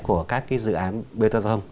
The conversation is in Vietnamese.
của các cái dự án btv